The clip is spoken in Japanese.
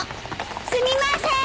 すみません！